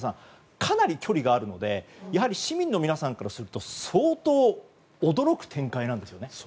かなり距離があるのでやはり市民の皆さんからすると相当驚く展開なんでしょうね。